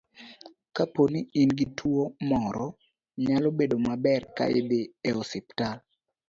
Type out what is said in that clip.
Kapo ni in gi tuwo moro, nyalo bedo maber ka idhi e osiptal .